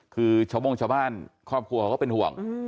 คือชาวโม่งชาวบ้านครอบครัวเขาก็เป็นห่วง